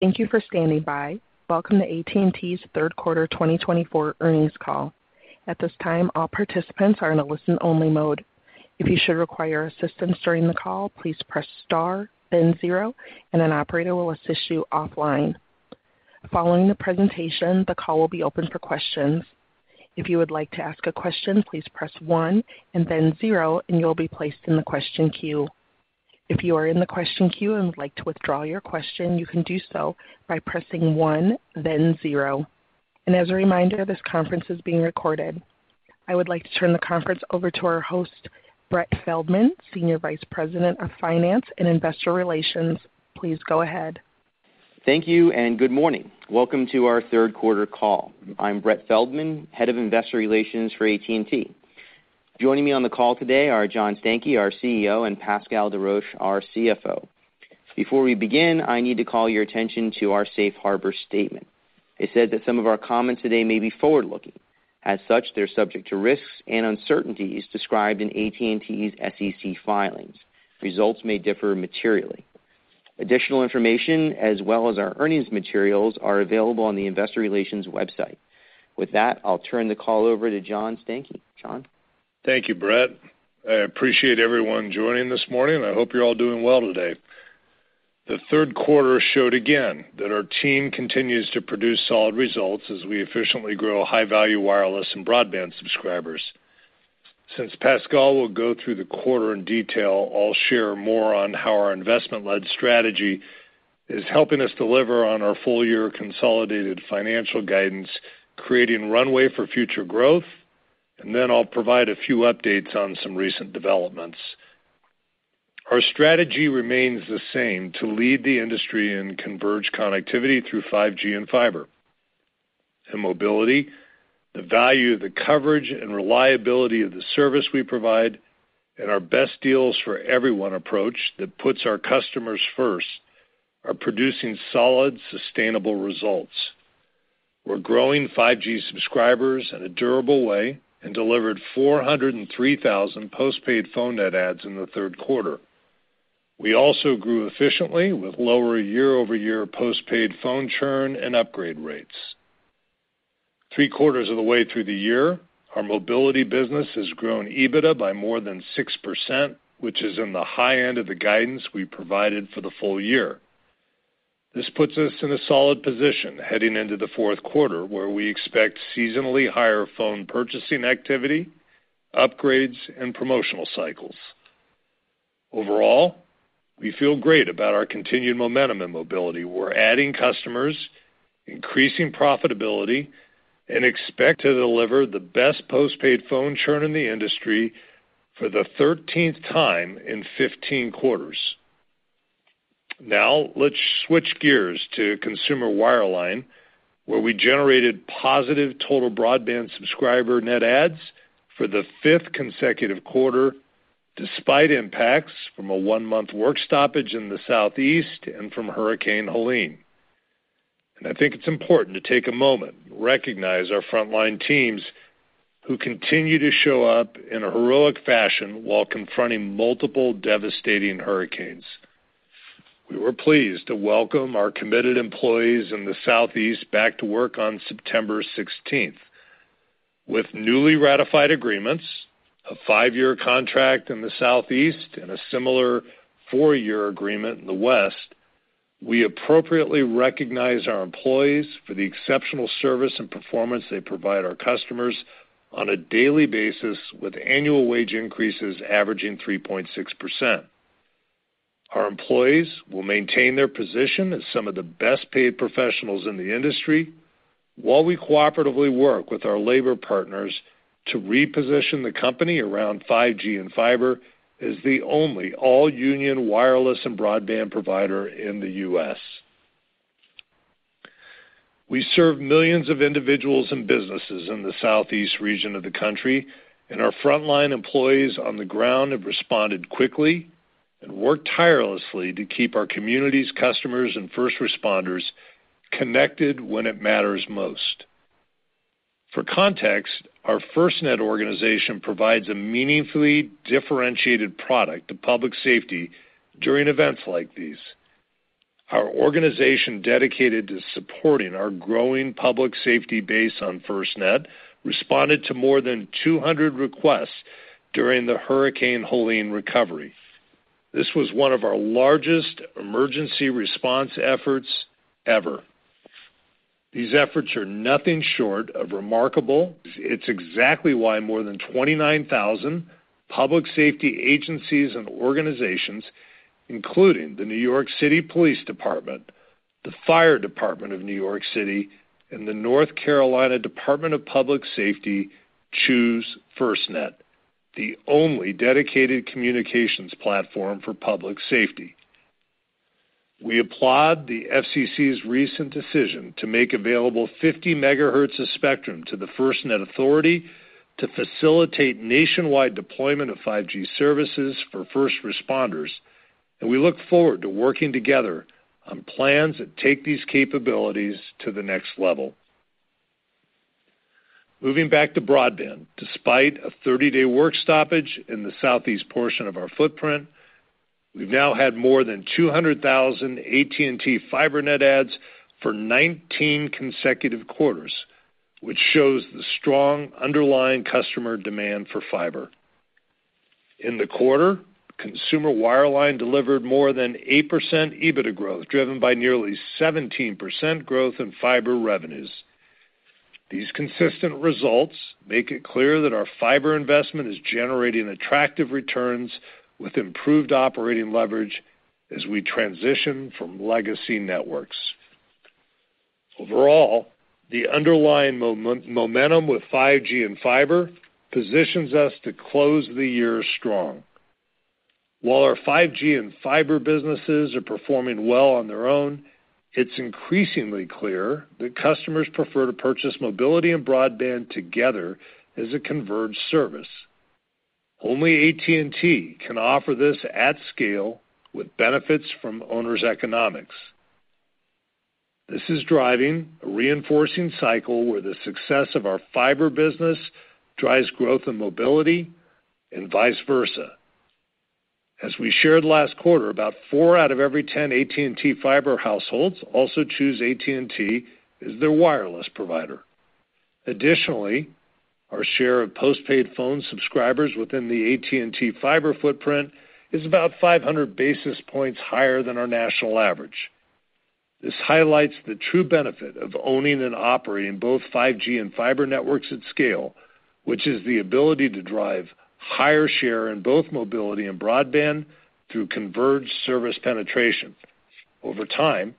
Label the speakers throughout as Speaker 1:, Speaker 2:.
Speaker 1: Thank you for standing by. Welcome to AT&T's third quarter 2024 earnings call. At this time, all participants are in a listen-only mode. If you should require assistance during the call, please press star, then zero, and an operator will assist you offline. Following the presentation, the call will be open for questions. If you would like to ask a question, please press one and then zero, and you will be placed in the question queue. If you are in the question queue and would like to withdraw your question, you can do so by pressing one, then zero. And as a reminder, this conference is being recorded. I would like to turn the conference over to our host, Brett Feldman, Senior Vice President of Finance and Investor Relations. Please go ahead.
Speaker 2: Thank you and good morning. Welcome to our third quarter call. I'm Brett Feldman, Head of Investor Relations for AT&T. Joining me on the call today are John Stankey, our CEO, and Pascal Desroches, our CFO. Before we begin, I need to call your attention to our safe harbor statement. It says that some of our comments today may be forward-looking. As such, they're subject to risks and uncertainties described in AT&T's SEC filings. Results may differ materially. Additional information as well as our earnings materials are available on the investor relations website. With that, I'll turn the call over to John Stankey. John?
Speaker 3: Thank you, Brett. I appreciate everyone joining this morning, and I hope you're all doing well today. The third quarter showed again that our team continues to produce solid results as we efficiently grow high-value wireless and broadband subscribers. Since Pascal will go through the quarter in detail, I'll share more on how our investment-led strategy is helping us deliver on our full-year consolidated financial guidance, creating runway for future growth, and then I'll provide a few updates on some recent developments. Our strategy remains the same, to lead the industry in converged connectivity through 5G and fiber. In mobility, the value, the coverage and reliability of the service we provide, and our best deals for everyone approach that puts our customers first, are producing solid, sustainable results. We're growing 5G subscribers in a durable way and delivered 403,000 postpaid phone net adds in the third quarter. We also grew efficiently with lower year-over-year postpaid phone churn and upgrade rates. Three quarters of the way through the year, our mobility business has grown EBITDA by more than 6%, which is in the high end of the guidance we provided for the full year. This puts us in a solid position heading into the fourth quarter, where we expect seasonally higher phone purchasing activity, upgrades, and promotional cycles. Overall, we feel great about our continued momentum in mobility. We're adding customers, increasing profitability, and expect to deliver the best postpaid phone churn in the industry for the thirteenth time in 15 quarters. Now, let's switch gears to consumer wireline, where we generated positive total broadband subscriber net adds for the fifth consecutive quarter, despite impacts from a one-month work stoppage in the Southeast and from Hurricane Helene, and I think it's important to take a moment and recognize our frontline teams who continue to show up in a heroic fashion while confronting multiple devastating hurricanes. We were pleased to welcome our committed employees in the Southeast back to work on September 16th. With newly ratified agreements, a five-year contract in the Southeast and a similar four-year agreement in the West, we appropriately recognize our employees for the exceptional service and performance they provide our customers on a daily basis, with annual wage increases averaging 3.6%. Our employees will maintain their position as some of the best-paid professionals in the industry, while we cooperatively work with our labor partners to reposition the company around 5G and fiber as the only all-union wireless and broadband provider in the U.S. We serve millions of individuals and businesses in the Southeast region of the country, and our frontline employees on the ground have responded quickly and worked tirelessly to keep our communities, customers, and first responders connected when it matters most. For context, our FirstNet organization provides a meaningfully differentiated product to public safety during events like these. Our organization, dedicated to supporting our growing public safety base on FirstNet, responded to more than 200 requests during the Hurricane Helene recovery. This was one of our largest emergency response efforts ever. These efforts are nothing short of remarkable. It's exactly why more than 29,000 public safety agencies and organizations, including the New York City Police Department, the Fire Department of New York City, and the North Carolina Department of Public Safety, choose FirstNet, the only dedicated communications platform for public safety. We applaud the FCC's recent decision to make available 50 megahertz of spectrum to the FirstNet Authority to facilitate nationwide deployment of 5G services for first responders, and we look forward to working together on plans that take these capabilities to the next level. Moving back to broadband, despite a 30-day work stoppage in the Southeast portion of our footprint, we've now had more than 200,000 AT&T Fiber net adds for 19 consecutive quarters, which shows the strong underlying customer demand for fiber. In the quarter, consumer wireline delivered more than 8% EBITDA growth, driven by nearly 17% growth in fiber revenues. These consistent results make it clear that our fiber investment is generating attractive returns with improved operating leverage as we transition from legacy networks. Overall, the underlying momentum with 5G and fiber positions us to close the year strong. While our 5G and fiber businesses are performing well on their own, it's increasingly clear that customers prefer to purchase mobility and broadband together as a converged service. Only AT&T can offer this at scale with benefits from owners' economics. This is driving a reinforcing cycle where the success of our fiber business drives growth and mobility, and vice versa. As we shared last quarter, about four out of every ten AT&T Fiber households also choose AT&T as their wireless provider. Additionally, our share of postpaid phone subscribers within the AT&T Fiber footprint is about five hundred basis points higher than our national average. This highlights the true benefit of owning and operating both 5G and fiber networks at scale, which is the ability to drive higher share in both mobility and broadband through converged service penetration. Over time,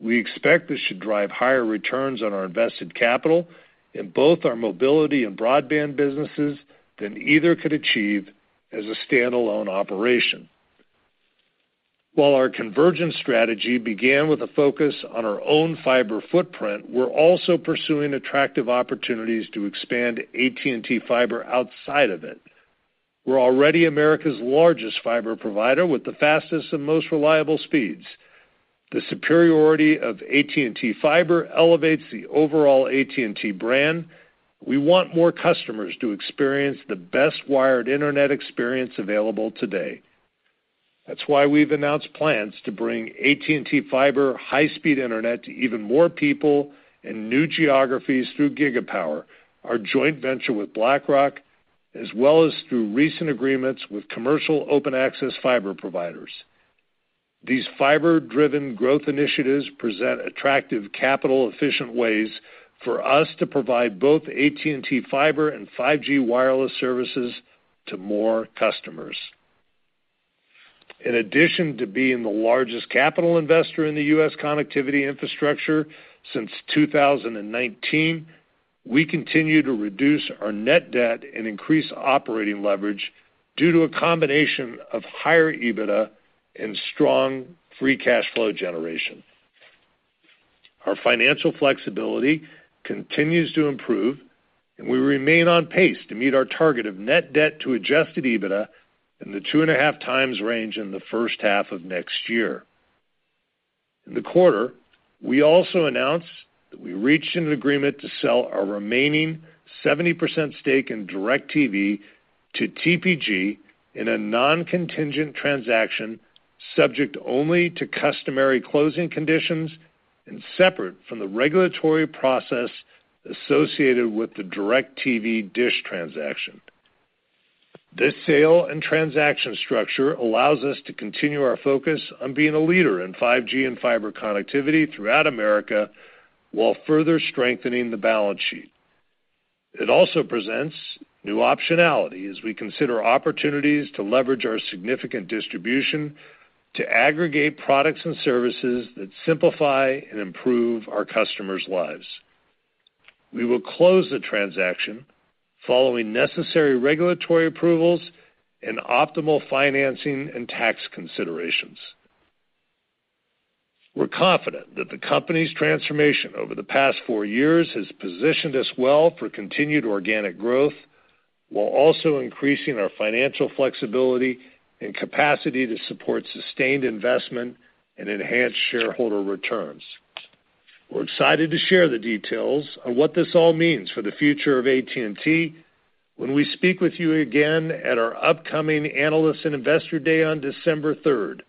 Speaker 3: we expect this should drive higher returns on our invested capital in both our mobility and broadband businesses than either could achieve as a standalone operation. While our convergence strategy began with a focus on our own fiber footprint, we're also pursuing attractive opportunities to expand AT&T Fiber outside of it. We're already America's largest fiber provider, with the fastest and most reliable speeds. The superiority of AT&T Fiber elevates the overall AT&T brand. We want more customers to experience the best wired internet experience available today. That's why we've announced plans to bring AT&T Fiber high-speed internet to even more people in new geographies through Gigapower, our joint venture with BlackRock, as well as through recent agreements with commercial open access fiber providers. These fiber-driven growth initiatives present attractive, capital-efficient ways for us to provide both AT&T Fiber and 5G wireless services to more customers. In addition to being the largest capital investor in the U.S. connectivity infrastructure since 2019, we continue to reduce our net debt and increase operating leverage due to a combination of higher EBITDA and strong free cash flow generation. Our financial flexibility continues to improve, and we remain on pace to meet our target of net debt to adjusted EBITDA in the two and a half times range in the first half of next year. In the quarter, we also announced that we reached an agreement to sell our remaining 70% stake in DIRECTV to TPG in a non-contingent transaction, subject only to customary closing conditions and separate from the regulatory process associated with the DIRECTV DISH transaction. This sale and transaction structure allows us to continue our focus on being a leader in 5G and fiber connectivity throughout America, while further strengthening the balance sheet. It also presents new optionality as we consider opportunities to leverage our significant distribution to aggregate products and services that simplify and improve our customers' lives. We will close the transaction following necessary regulatory approvals and optimal financing and tax considerations. We're confident that the company's transformation over the past four years has positioned us well for continued organic growth, while also increasing our financial flexibility and capacity to support sustained investment and enhance shareholder returns. We're excited to share the details on what this all means for the future of AT&T when we speak with you again at our upcoming Analyst and Investor Day on December 3rd.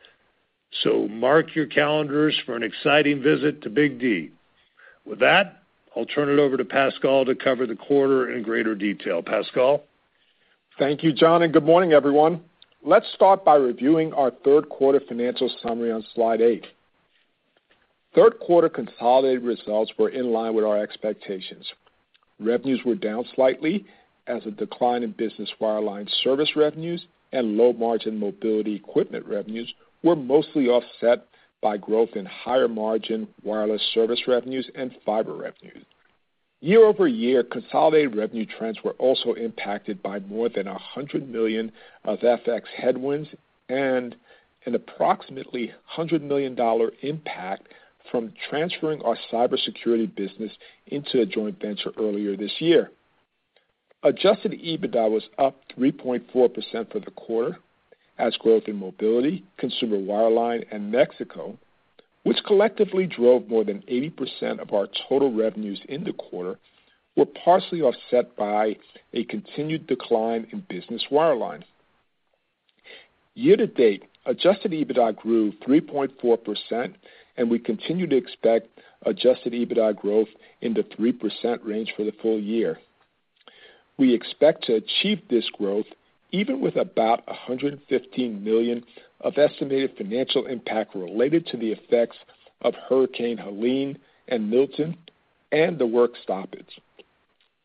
Speaker 3: So mark your calendars for an exciting visit to Big D. With that, I'll turn it over to Pascal to cover the quarter in greater detail. Pascal?
Speaker 4: Thank you, John, and good morning, everyone. Let's start by reviewing our third quarter financial summary on slide eight. Third quarter consolidated results were in line with our expectations. Revenues were down slightly as a decline in business wireline service revenues and low-margin mobility equipment revenues were mostly offset by growth in higher-margin wireless service revenues and fiber revenues. Year-over-year, consolidated revenue trends were also impacted by more than $100 million of FX headwinds and an approximately $100 million impact from transferring our cybersecurity business into a joint venture earlier this year. Adjusted EBITDA was up 3.4% for the quarter, as growth in mobility, consumer wireline, and Mexico, which collectively drove more than 80% of our total revenues in the quarter, were partially offset by a continued decline in business wireline. Year to date, adjusted EBITDA grew 3.4%, and we continue to expect adjusted EBITDA growth in the 3% range for the full year. We expect to achieve this growth even with about $115 million of estimated financial impact related to the effects of Hurricane Helene and Milton, and the work stoppages.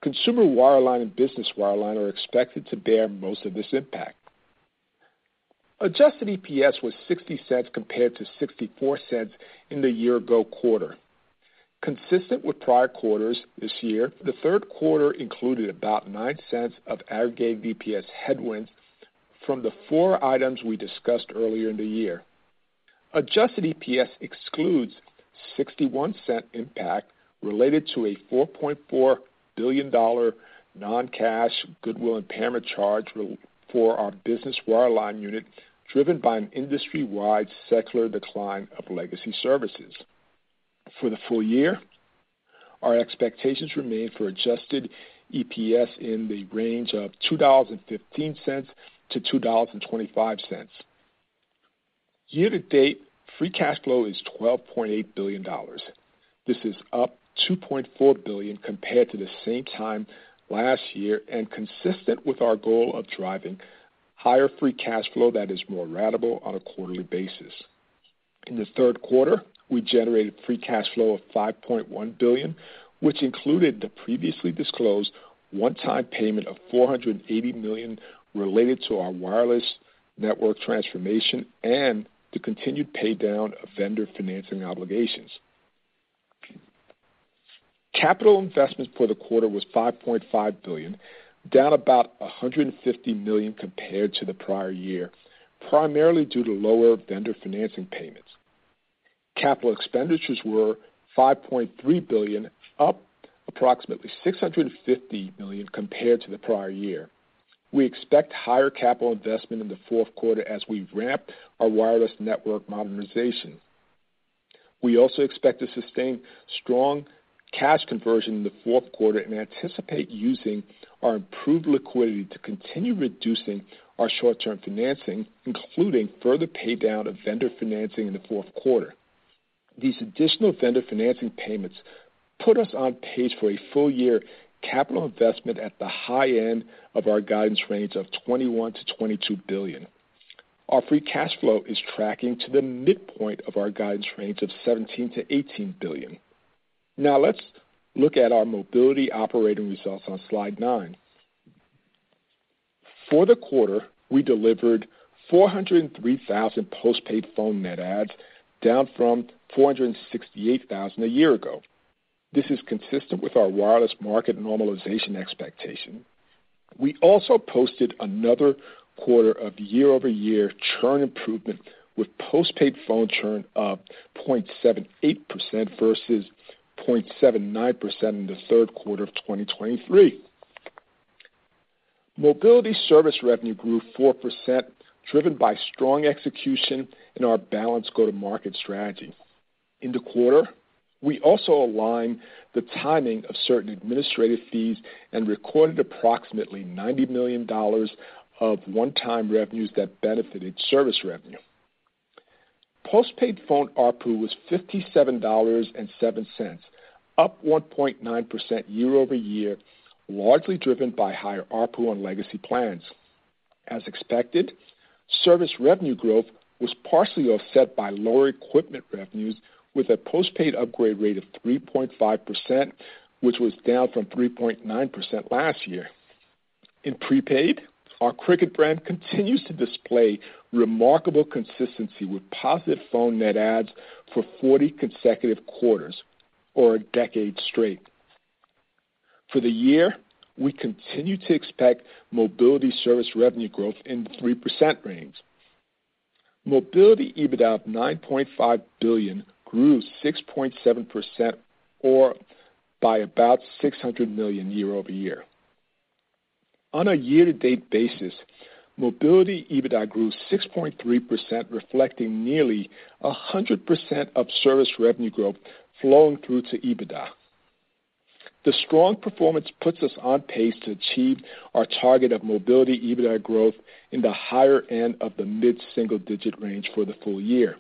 Speaker 4: Consumer wireline and business wireline are expected to bear most of this impact. Adjusted EPS was $0.60, compared to $0.64 in the year ago quarter. Consistent with prior quarters this year, the third quarter included about $0.09 of aggregate EPS headwinds from the four items we discussed earlier in the year. Adjusted EPS excludes $0.61 impact related to a $4.4 billion non-cash goodwill impairment charge for our business wireline unit, driven by an industry-wide secular decline of legacy services. For the full year, our expectations remain for adjusted EPS in the range of $2.15-$2.25. Year-to-date, free cash flow is $12.8 billion. This is up $2.4 billion compared to the same time last year and consistent with our goal of driving higher free cash flow that is more ratable on a quarterly basis. In the third quarter, we generated free cash flow of $5.1 billion, which included the previously disclosed one-time payment of $480 million related to our wireless network transformation and the continued pay down of vendor financing obligations. Capital investments for the quarter was $5.5 billion, down about $150 million compared to the prior year, primarily due to lower vendor financing payments. Capital expenditures were $5.3 billion, up approximately $650 million compared to the prior year. We expect higher capital investment in the fourth quarter as we ramp our wireless network modernization. We also expect to sustain strong cash conversion in the fourth quarter and anticipate using our improved liquidity to continue reducing our short-term financing, including further pay down of vendor financing in the fourth quarter. These additional vendor financing payments put us on pace for a full year capital investment at the high end of our guidance range of $21 billion-$22 billion. Our free cash flow is tracking to the midpoint of our guidance range of $17 billion-$18 billion. Now, let's look at our mobility operating results on slide nine. For the quarter, we delivered 403,000 postpaid phone net adds, down from 468,000 a year ago. This is consistent with our wireless market normalization expectation. We also posted another quarter of year-over-year churn improvement, with postpaid phone churn at 0.78% versus 0.79% in the third quarter of 2023. Mobility service revenue grew 4%, driven by strong execution in our balanced go-to-market strategy. In the quarter, we also aligned the timing of certain administrative fees and recorded approximately $90 million of one-time revenues that benefited service revenue. Postpaid phone ARPU was $57.07, up 1.9% year-over-year, largely driven by higher ARPU on legacy plans. As expected, service revenue growth was partially offset by lower equipment revenues, with a postpaid upgrade rate of 3.5%, which was down from 3.9% last year. In prepaid, our Cricket brand continues to display remarkable consistency, with positive phone net adds for 40 consecutive quarters or a decade straight. For the year, we continue to expect mobility service revenue growth in the 3% range. Mobility EBITDA of $9.5 billion grew 6.7% or by about $600 million year-over-year. On a year-to-date basis, mobility EBITDA grew 6.3%, reflecting nearly 100% of service revenue growth flowing through to EBITDA. The strong performance puts us on pace to achieve our target of mobility EBITDA growth in the higher end of the mid-single digit range for the full year.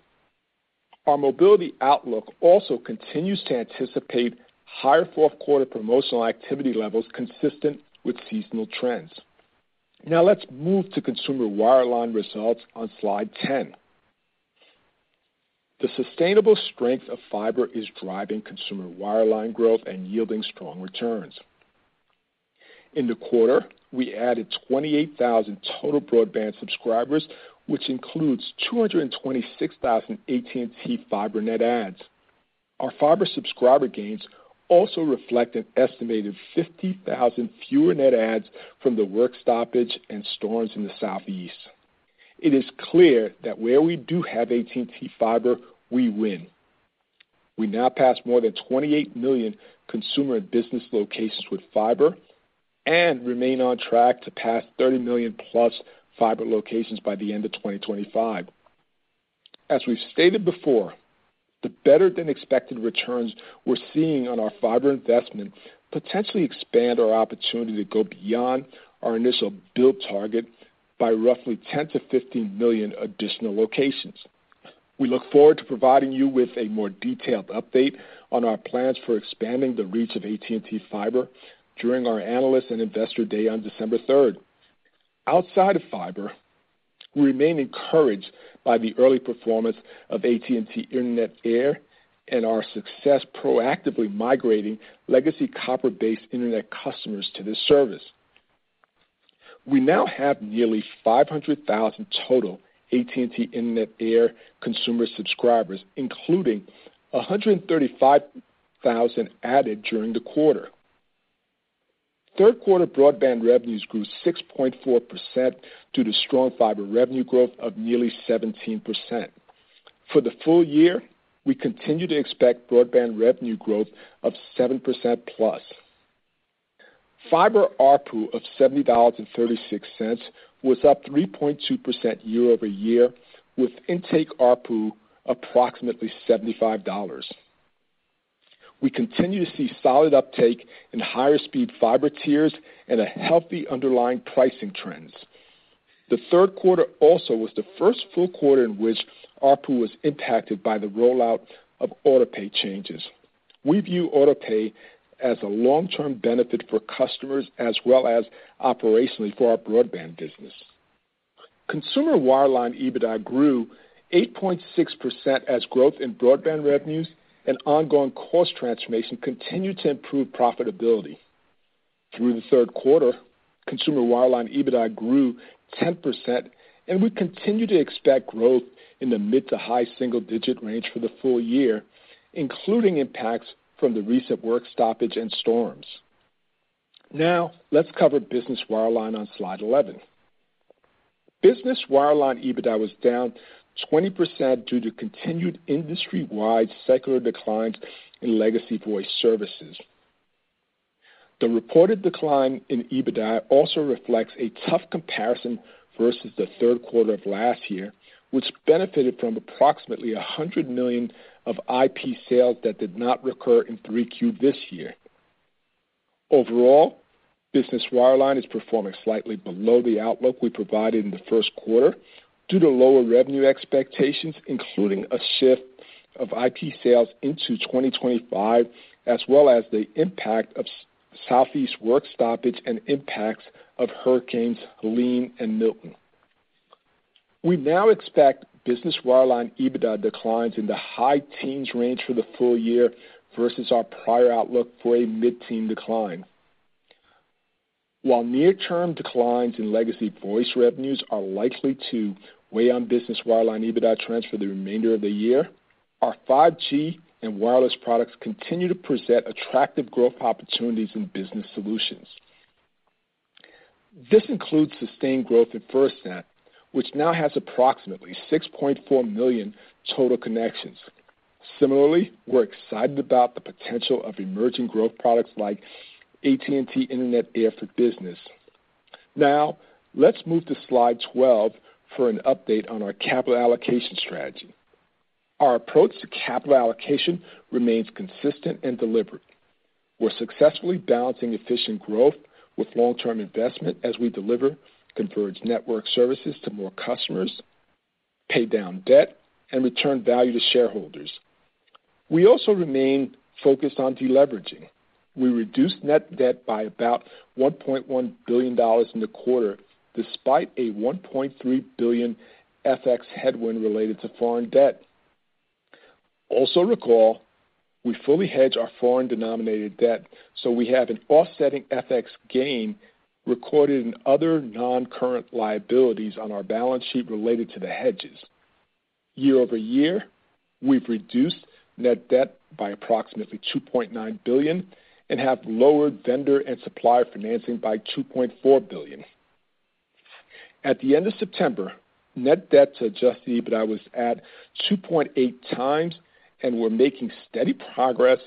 Speaker 4: Our mobility outlook also continues to anticipate higher fourth quarter promotional activity levels consistent with seasonal trends. Now let's move to consumer wireline results on slide 10. The sustainable strength of fiber is driving consumer wireline growth and yielding strong returns. In the quarter, we added twenty-eight thousand total broadband subscribers, which includes two hundred and twenty-six thousand AT&T Fiber net adds. Our fiber subscriber gains also reflect an estimated fifty thousand fewer net adds from the work stoppage and storms in the Southeast. It is clear that where we do have AT&T Fiber, we win. We now pass more than twenty-eight million consumer and business locations with fiber and remain on track to pass thirty million plus fiber locations by the end of 2025. As we've stated before, the better-than-expected returns we're seeing on our fiber investment potentially expand our opportunity to go beyond our initial build target by roughly 10-15 million additional locations. We look forward to providing you with a more detailed update on our plans for expanding the reach of AT&T Fiber during our Analyst and Investor Day on December 3rd. Outside of fiber, we remain encouraged by the early performance of AT&T Internet Air and our success proactively migrating legacy copper-based internet customers to this service. We now have nearly 500,000 total AT&T Internet Air consumer subscribers, including 135,000 added during the quarter. Third quarter broadband revenues grew 6.4% due to strong fiber revenue growth of nearly 17%. For the full year, we continue to expect broadband revenue growth of 7% plus. Fiber ARPU of $70.36 was up 3.2% year-over-year, with intake ARPU approximately $75. We continue to see solid uptake in higher-speed fiber tiers and a healthy underlying pricing trends. The third quarter also was the first full quarter in which ARPU was impacted by the rollout of autopay changes. We view autopay as a long-term benefit for customers as well as operationally for our broadband business. Consumer wireline EBITDA grew 8.6%, as growth in broadband revenues and ongoing cost transformation continued to improve profitability. Through the third quarter, consumer wireline EBITDA grew 10%, and we continue to expect growth in the mid- to high single-digit range for the full year, including impacts from the recent work stoppage and storms. Now, let's cover business wireline on slide eleven. Business wireline EBITDA was down 20% due to continued industry-wide secular declines in legacy voice services. The reported decline in EBITDA also reflects a tough comparison versus the third quarter of last year, which benefited from approximately $100 million of IP sales that did not recur in 3Q this year. Overall, business wireline is performing slightly below the outlook we provided in the first quarter due to lower revenue expectations, including a shift of IP sales into 2025, as well as the impact of Southeast work stoppage and impacts of hurricanes Helene and Milton. We now expect business wireline EBITDA declines in the high-teens range for the full year versus our prior outlook for a mid-teen decline. While near-term declines in legacy voice revenues are likely to weigh on business wireline EBITDA trends for the remainder of the year, our 5G and wireless products continue to present attractive growth opportunities in business solutions. This includes sustained growth in FirstNet, which now has approximately 6.4 million total connections. Similarly, we're excited about the potential of emerging growth products like AT&T Internet Air for Business. Now, let's move to slide 12 for an update on our capital allocation strategy. Our approach to capital allocation remains consistent and deliberate. We're successfully balancing efficient growth with long-term investment as we deliver converged network services to more customers, pay down debt, and return value to shareholders. We also remain focused on deleveraging. We reduced net debt by about $1.1 billion in the quarter, despite a $1.3 billion FX headwind related to foreign debt. Also recall, we fully hedge our foreign-denominated debt, so we have an offsetting FX gain recorded in other non-current liabilities on our balance sheet related to the hedges. Year-over-year, we've reduced net debt by approximately $2.9 billion and have lowered vendor and supplier financing by $2.4 billion. At the end of September, net debt to adjusted EBITDA was at 2.8 times, and we're making steady progress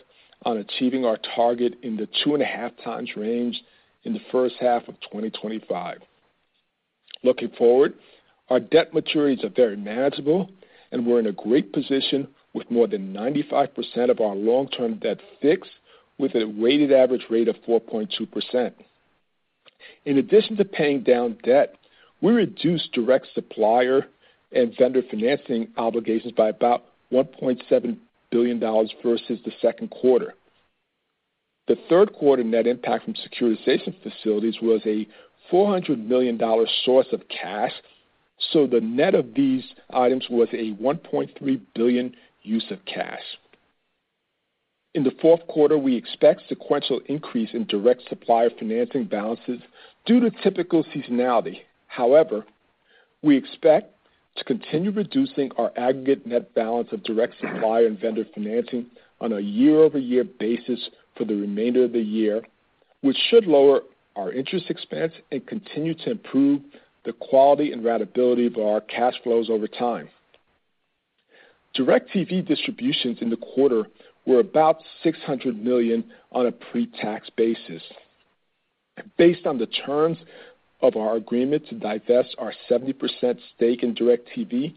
Speaker 4: on achieving our target in the 2.5 times range in the first half of 2025. Looking forward, our debt maturities are very manageable, and we're in a great position with more than 95% of our long-term debt fixed, with a weighted average rate of 4.2%. In addition to paying down debt, we reduced direct supplier and vendor financing obligations by about $1.7 billion versus the second quarter. The third quarter net impact from securitization facilities was a $400 million source of cash, so the net of these items was a $1.3 billion use of cash. In the fourth quarter, we expect sequential increase in direct supplier financing balances due to typical seasonality. However, we expect to continue reducing our aggregate net balance of direct supplier and vendor financing on a year-over-year basis for the remainder of the year... which should lower our interest expense and continue to improve the quality and ratability of our cash flows over time. DIRECTV distributions in the quarter were about $600 million on a pre-tax basis. Based on the terms of our agreement to divest our 70% stake in DIRECTV,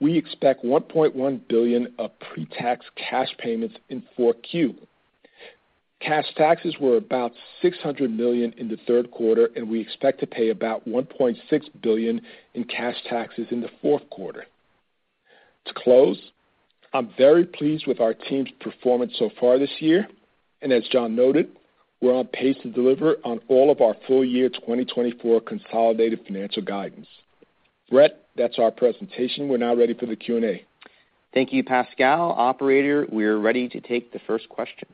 Speaker 4: we expect $1.1 billion of pre-tax cash payments in 4Q. Cash taxes were about $600 million in the third quarter, and we expect to pay about $1.6 billion in cash taxes in the fourth quarter. To close, I'm very pleased with our team's performance so far this year, and as John noted, we're on pace to deliver on all of our full year 2024 consolidated financial guidance. Brett, that's our presentation. We're now ready for the Q&A.
Speaker 2: Thank you, Pascal. Operator, we are ready to take the first question.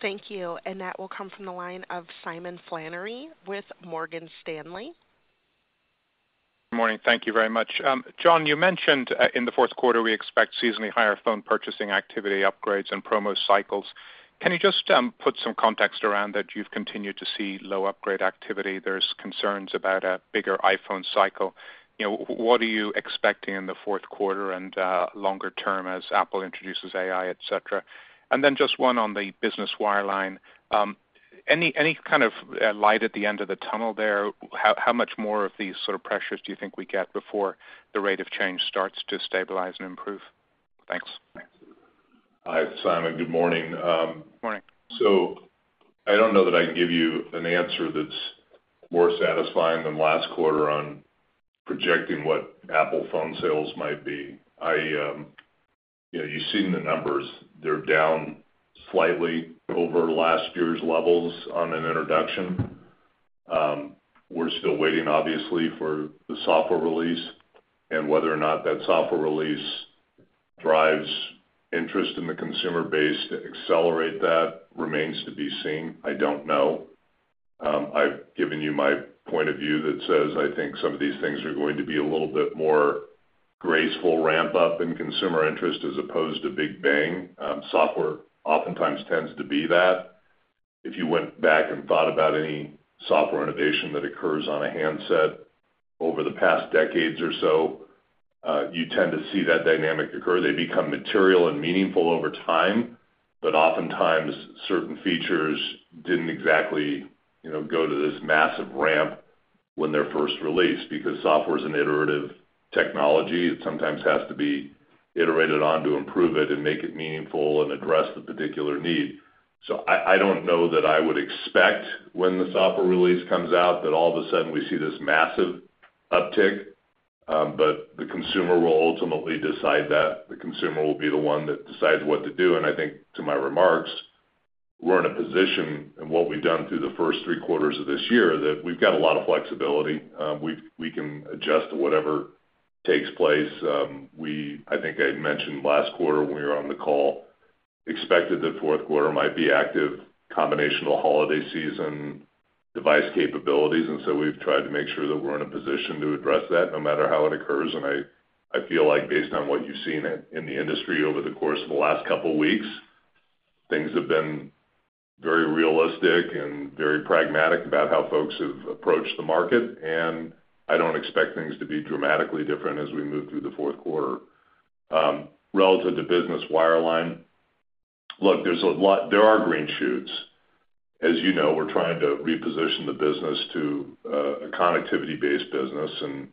Speaker 1: Thank you. And that will come from the line of Simon Flannery with Morgan Stanley.
Speaker 5: Morning. Thank you very much. John, you mentioned in the fourth quarter, we expect seasonally higher phone purchasing activity, upgrades, and promo cycles. Can you just put some context around that? You've continued to see low upgrade activity. There's concerns about a bigger iPhone cycle. You know, what are you expecting in the fourth quarter and longer term as Apple introduces AI, et cetera? And then just one on the business wireline. Any kind of light at the end of the tunnel there? How much more of these sort of pressures do you think we get before the rate of change starts to stabilize and improve? Thanks.
Speaker 3: Hi, Simon. Good morning.
Speaker 5: Morning.
Speaker 3: I don't know that I can give you an answer that's more satisfying than last quarter on projecting what iPhone sales might be. I, you know, you've seen the numbers. They're down slightly over last year's levels on an introduction. We're still waiting, obviously, for the software release and whether or not that software release drives interest in the consumer base to accelerate that remains to be seen. I don't know. I've given you my point of view that says I think some of these things are going to be a little bit more graceful ramp-up in consumer interest as opposed to Big Bang. Software oftentimes tends to be that. If you went back and thought about any software innovation that occurs on a handset over the past decades or so, you tend to see that dynamic occur. They become material and meaningful over time, but oftentimes, certain features didn't exactly, you know, go to this massive ramp when they're first released, because software is an iterative technology, it sometimes has to be iterated on to improve it and make it meaningful and address the particular need. So I don't know that I would expect when the software release comes out, that all of a sudden we see this massive uptick, but the consumer will ultimately decide that. The consumer will be the one that decides what to do. And I think to my remarks, we're in a position and what we've done through the first three quarters of this year, that we've got a lot of flexibility. We can adjust to whatever takes place. We... I think I mentioned last quarter when we were on the call, expected that fourth quarter might be active, combinational holiday season, device capabilities, and so we've tried to make sure that we're in a position to address that no matter how it occurs. I feel like based on what you've seen in the industry over the course of the last couple of weeks, things have been very realistic and very pragmatic about how folks have approached the market, and I don't expect things to be dramatically different as we move through the fourth quarter. Relative to business wireline, look, there are green shoots. As you know, we're trying to reposition the business to a connectivity-based business, and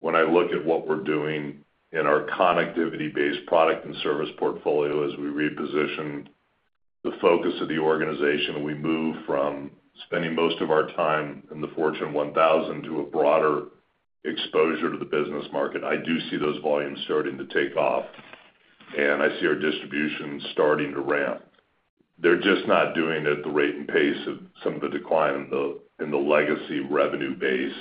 Speaker 3: when I look at what we're doing in our connectivity-based product and service portfolio, as we reposition the focus of the organization, we move from spending most of our time in the Fortune 1000 to a broader exposure to the business market. I do see those volumes starting to take off, and I see our distribution starting to ramp. They're just not doing it at the rate and pace of some of the decline in the legacy revenue base.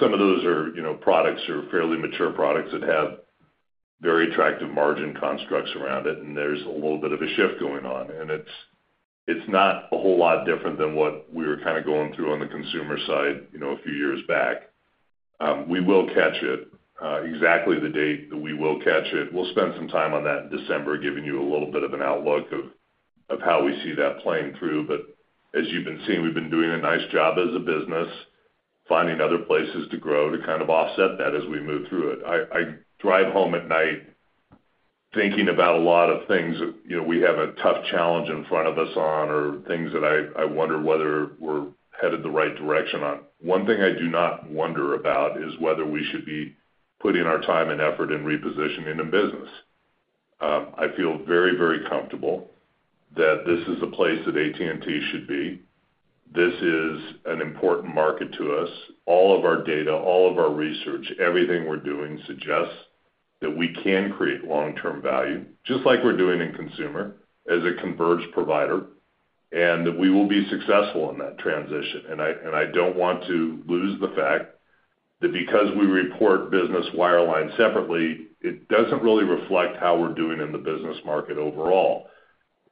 Speaker 3: Some of those are, you know, products are fairly mature products that have very attractive margin constructs around it, and there's a little bit of a shift going on, and it's not a whole lot different than what we were kind of going through on the consumer side, you know, a few years back. We will catch it exactly the date that we will catch it. We'll spend some time on that in December, giving you a little bit of an outlook of how we see that playing through. As you've been seeing, we've been doing a nice job as a business, finding other places to grow, to kind of offset that as we move through it. I drive home at night thinking about a lot of things that, you know, we have a tough challenge in front of us on, or things that I wonder whether we're headed the right direction on. One thing I do not wonder about is whether we should be putting our time and effort in repositioning the business. I feel very, very comfortable that this is a place that AT&T should be. This is an important market to us. All of our data, all of our research, everything we're doing suggests that we can create long-term value, just like we're doing in consumer, as a converged provider, and that we will be successful in that transition. And I don't want to lose the fact that because we report business wireline separately, it doesn't really reflect how we're doing in the business market overall.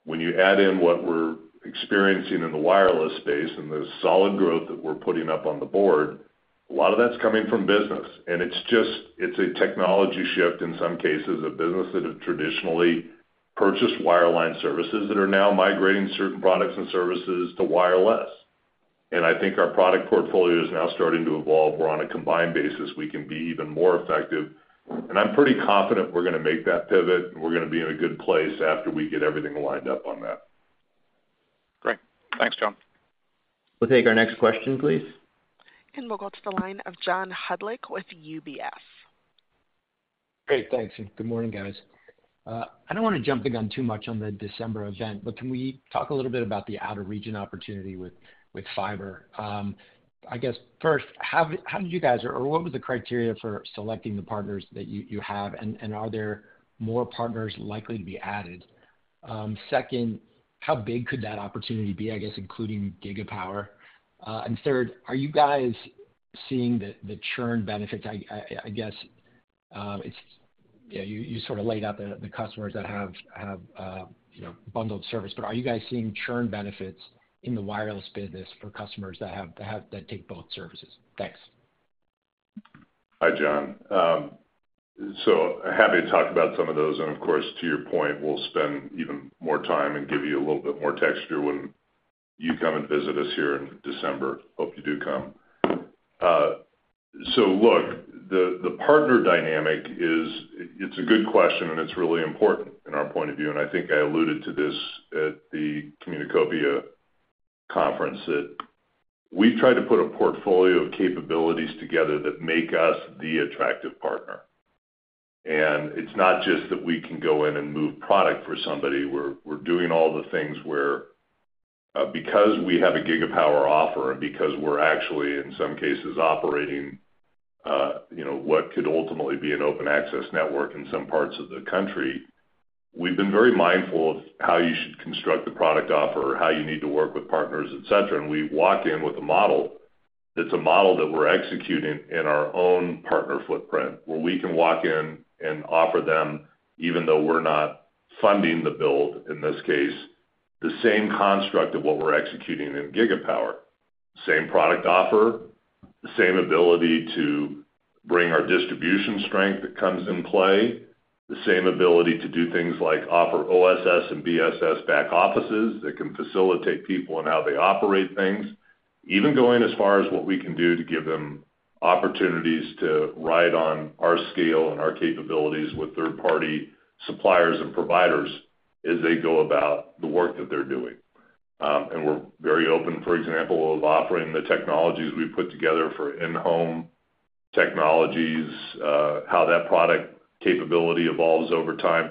Speaker 3: When you add in what we're experiencing in the wireless space and the solid growth that we're putting up on the board. A lot of that's coming from business, and it's just a technology shift, in some cases, of business that have traditionally purchased wireline services that are now migrating certain products and services to wireless. And I think our product portfolio is now starting to evolve, where on a combined basis, we can be even more effective. And I'm pretty confident we're gonna make that pivot, and we're gonna be in a good place after we get everything lined up on that.
Speaker 5: Great. Thanks, John.
Speaker 2: We'll take our next question, please.
Speaker 1: We'll go to the line of John Hodulik with UBS.
Speaker 6: Great. Thanks, and good morning, guys. I don't want to jump the gun too much on the December event, but can we talk a little bit about the out-of-region opportunity with fiber? I guess, first, how did you guys or what was the criteria for selecting the partners that you have? And are there more partners likely to be added? Second, how big could that opportunity be, I guess, including Gigapower? And third, are you guys seeing the churn benefit? I guess, it's, yeah, you sort of laid out the customers that have, you know, bundled service. But are you guys seeing churn benefits in the wireless business for customers that take both services? Thanks.
Speaker 3: Hi, John. Happy to talk about some of those. Of course, to your point, we'll spend even more time and give you a little bit more texture when you come and visit us here in December. Hope you do come. Look, the partner dynamic is. It's a good question, and it's really important in our point of view, and I think I alluded to this at the Communacopia conference, that we've tried to put a portfolio of capabilities together that make us the attractive partner. It's not just that we can go in and move product for somebody. We're doing all the things where, because we have a Gigapower offer and because we're actually, in some cases, operating, you know, what could ultimately be an open access network in some parts of the country, we've been very mindful of how you should construct the product offer or how you need to work with partners, et cetera. And we walk in with a model that's a model that we're executing in our own partner footprint, where we can walk in and offer them, even though we're not funding the build, in this case, the same construct of what we're executing in Gigapower. Same product offer, the same ability to bring our distribution strength that comes in play, the same ability to do things like offer OSS and BSS back offices that can facilitate people and how they operate things, even going as far as what we can do to give them opportunities to ride on our scale and our capabilities with third-party suppliers and providers as they go about the work that they're doing. And we're very open, for example, of offering the technologies we've put together for in-home technologies, how that product capability evolves over time.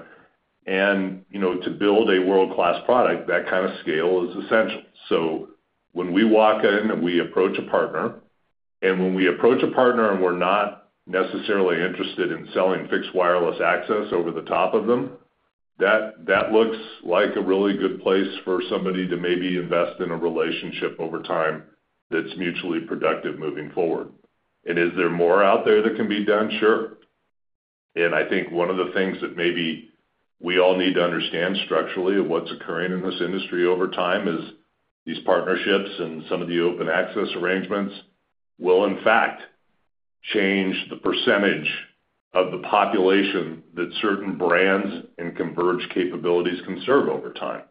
Speaker 3: And, you know, to build a world-class product, that kind of scale is essential. So when we walk in and we approach a partner and we're not necessarily interested in selling fixed wireless access over the top of them, that, that looks like a really good place for somebody to maybe invest in a relationship over time that's mutually productive moving forward. And is there more out there that can be done? Sure. And I think one of the things that maybe we all need to understand structurally of what's occurring in this industry over time is these partnerships and some of the open access arrangements will, in fact, change the percentage of the population that certain brands and converged capabilities can serve over time.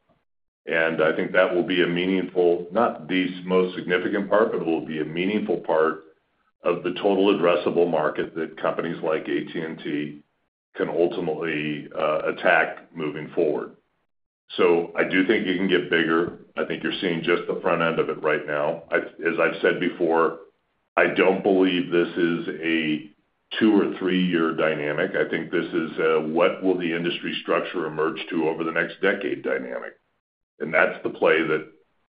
Speaker 3: And I think that will be a meaningful, not the most significant part, but it will be a meaningful part of the total addressable market that companies like AT&T can ultimately attack moving forward. So I do think you can get bigger. I think you're seeing just the front end of it right now. As I've said before, I don't believe this is a two or three-year dynamic. I think this is a, "What will the industry structure emerge to over the next decade?" dynamic. And that's the play that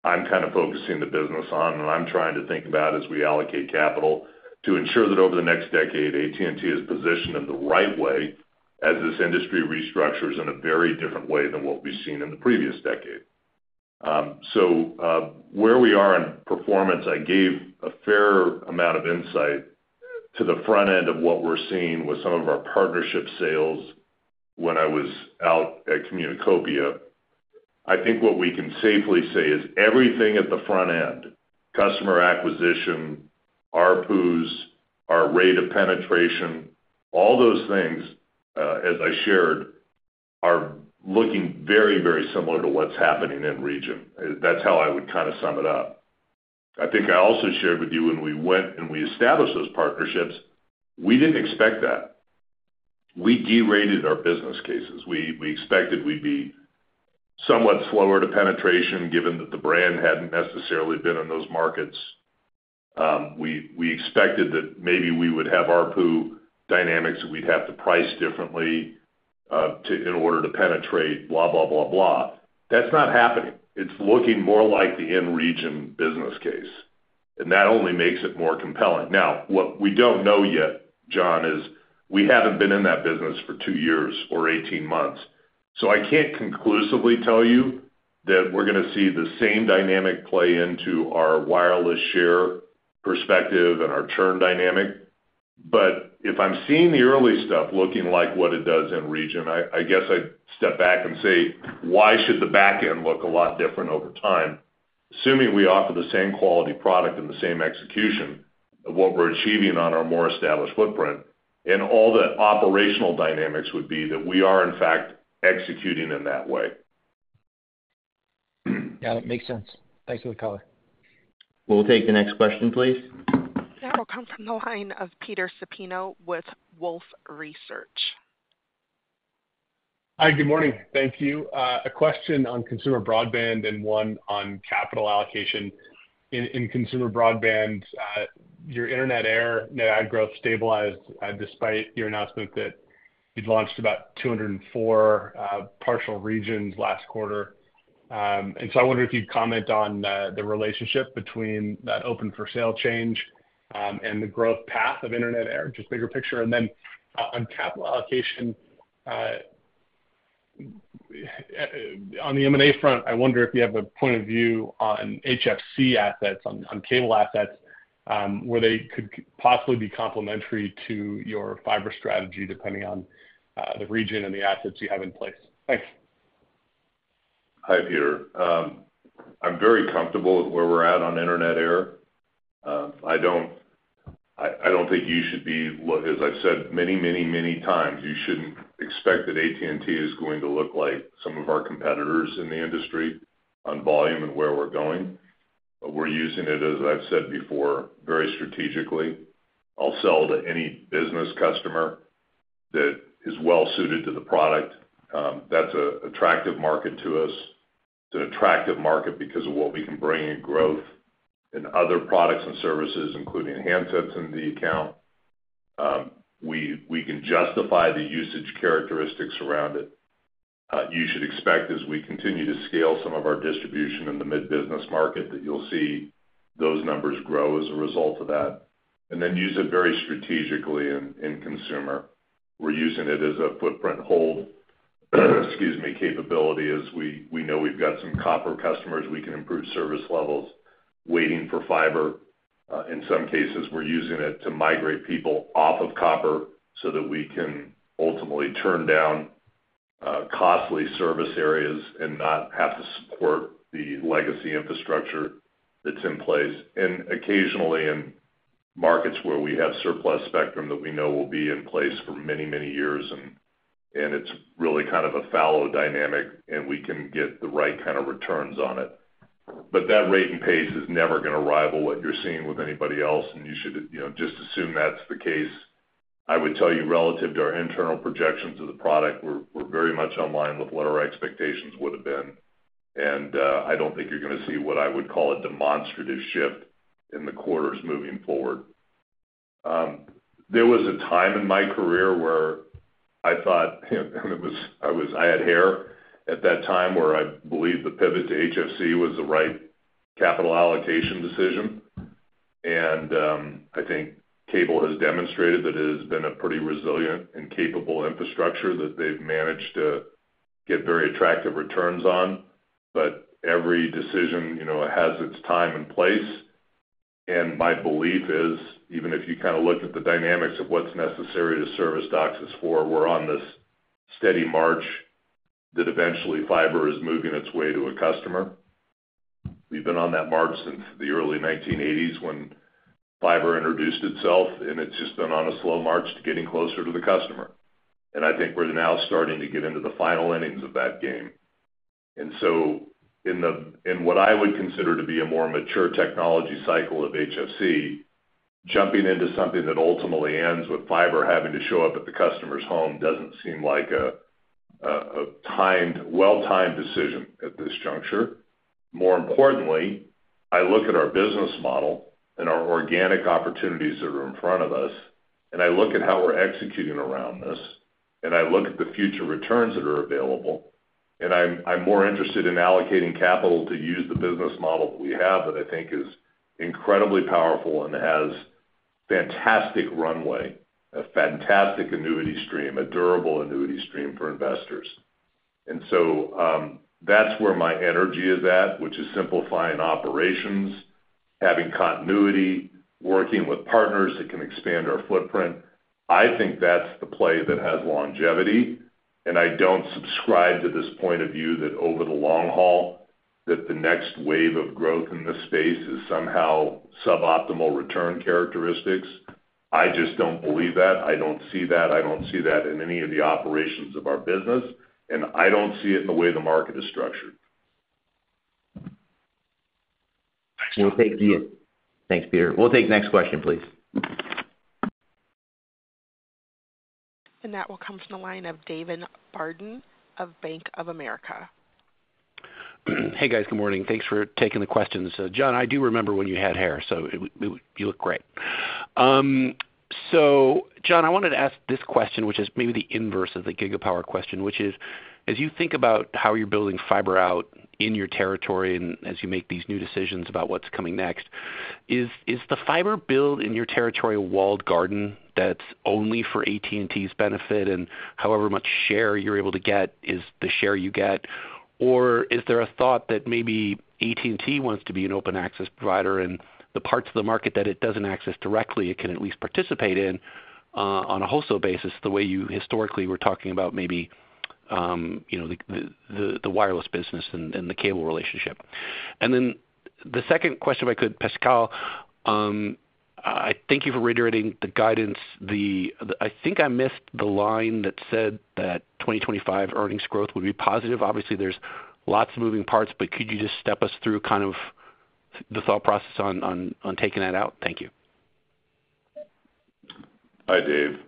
Speaker 3: I'm kind of focusing the business on, and I'm trying to think about as we allocate capital to ensure that over the next decade, AT&T is positioned in the right way as this industry restructures in a very different way than what we've seen in the previous decade. So, where we are in performance, I gave a fair amount of insight to the front end of what we're seeing with some of our partnership sales when I was out at Communacopia. I think what we can safely say is everything at the front end, customer acquisition, ARPU's, our rate of penetration, all those things, as I shared, are looking very, very similar to what's happening in region. That's how I would kinda sum it up. I think I also shared with you when we went and we established those partnerships, we didn't expect that. We derated our business cases. We expected we'd be somewhat slower to penetration, given that the brand hadn't necessarily been in those markets. We expected that maybe we would have ARPU dynamics, that we'd have to price differently in order to penetrate, blah, blah, blah, blah. That's not happening. It's looking more like the in-region business case, and that only makes it more compelling. Now, what we don't know yet, John, is we haven't been in that business for two years or eighteen months, so I can't conclusively tell you that we're gonna see the same dynamic play into our wireless share perspective and our churn dynamic. But if I'm seeing the early stuff looking like what it does in region, I guess I'd step back and say, why should the back end look a lot different over time? Assuming we offer the same quality product and the same execution of what we're achieving on our more established footprint, and all the operational dynamics would be that we are, in fact, executing in that way.
Speaker 6: Yeah, that makes sense. Thanks for the color.
Speaker 2: We'll take the next question, please.
Speaker 1: That will come from the line of Peter Supino with Wolfe Research.
Speaker 7: Hi, good morning. Thank you. A question on consumer broadband and one on capital allocation. In consumer broadband, your Internet Air net add growth stabilized, despite your announcement that you'd launched about 204 partial regions last quarter. And so I wonder if you'd comment on the relationship between that open for sale change and the growth path of Internet Air, just bigger picture. And then, on capital allocation, on the M&A front, I wonder if you have a point of view on HFC assets, on cable assets, where they could possibly be complementary to your fiber strategy, depending on the region and the assets you have in place. Thanks.
Speaker 3: Hi, Peter. I'm very comfortable with where we're at on Internet Air. I don't think you should be. Well, as I've said many, many, many times, you shouldn't expect that AT&T is going to look like some of our competitors in the industry on volume and where we're going. But we're using it, as I've said before, very strategically. I'll sell to any business customer that is well suited to the product. That's an attractive market to us. It's an attractive market because of what we can bring in growth in other products and services, including handsets in the account. We can justify the usage characteristics around it. You should expect, as we continue to scale some of our distribution in the mid-market, that you'll see those numbers grow as a result of that, and then use it very strategically in consumer. We're using it as a footprint hold, excuse me, capability. As we know we've got some copper customers, we can improve service levels waiting for fiber. In some cases, we're using it to migrate people off of copper so that we can ultimately turn down costly service areas and not have to support the legacy infrastructure that's in place. Occasionally, in markets where we have surplus spectrum that we know will be in place for many, many years, and it's really kind of a fallow dynamic, and we can get the right kind of returns on it. But that rate and pace is never going to rival what you're seeing with anybody else, and you should, you know, just assume that's the case. I would tell you, relative to our internal projections of the product, we're very much in line with what our expectations would have been. And I don't think you're going to see what I would call a demonstrative shift in the quarters moving forward. There was a time in my career where I thought, I had hair at that time, where I believed the pivot to HFC was the right capital allocation decision. And I think cable has demonstrated that it has been a pretty resilient and capable infrastructure that they've managed to get very attractive returns on. But every decision, you know, has its time and place. My belief is, even if you kind of looked at the dynamics of what's necessary to service DOCSIS 4, we're on this steady march that eventually fiber is moving its way to a customer. We've been on that march since the early 1980s when fiber introduced itself, and it's just been on a slow march to getting closer to the customer. I think we're now starting to get into the final innings of that game. So in what I would consider to be a more mature technology cycle of HFC, jumping into something that ultimately ends with fiber having to show up at the customer's home doesn't seem like a well-timed decision at this juncture. More importantly, I look at our business model and our organic opportunities that are in front of us, and I look at how we're executing around this, and I look at the future returns that are available, and I'm more interested in allocating capital to use the business model that we have, that I think is incredibly powerful and has fantastic runway, a fantastic annuity stream, a durable annuity stream for investors. And so, that's where my energy is at, which is simplifying operations, having continuity, working with partners that can expand our footprint. I think that's the play that has longevity, and I don't subscribe to this point of view that over the long haul, that the next wave of growth in this space is somehow suboptimal return characteristics. I just don't believe that. I don't see that. I don't see that in any of the operations of our business, and I don't see it in the way the market is structured.
Speaker 7: Thanks, John.
Speaker 2: Thanks, Peter. We'll take the next question, please.
Speaker 1: That will come from the line of David Barden of Bank of America.
Speaker 8: Hey, guys, good morning. Thanks for taking the questions. John, I do remember when you had hair, so you look great. So John, I wanted to ask this question, which is maybe the inverse of the Gigapower question, which is: as you think about how you're billing fiber out in your territory and as you make these new decisions about what's coming next, is the fiber build in your territory a walled garden that's only for AT&T's benefit, and however much share you're able to get is the share you get? Or is there a thought that maybe AT&T wants to be an open access provider, and the parts of the market that it doesn't access directly, it can at least participate in, on a wholesale basis, the way you historically were talking about maybe, you know, the wireless business and the cable relationship? And then the second question, if I could, Pascal, I thank you for reiterating the guidance. I think I missed the line that said that twenty twenty-five earnings growth would be positive. Obviously, there's lots of moving parts, but could you just step us through kind of the thought process on taking that out? Thank you.
Speaker 3: Hi, David.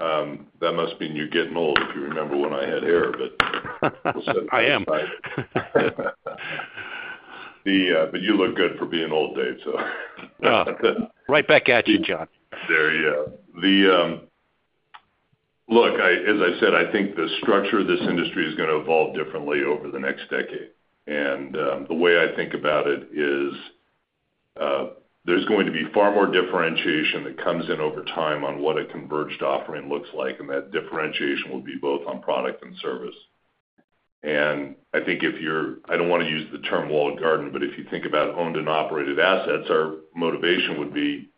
Speaker 3: That must mean you're getting old, if you remember when I had hair, but-
Speaker 8: I am.
Speaker 3: But you look good for being old, David, so.
Speaker 8: Oh, right back at you, John.
Speaker 3: There you go. Look, as I said, I think the structure of this industry is gonna evolve differently over the next decade, and the way I think about it is, there's going to be far more differentiation that comes in over time on what a converged offering looks like, and that differentiation will be both on product and service, and I think if you're, I don't wanna use the term walled garden, but if you think about owned and operated assets, our motivation would be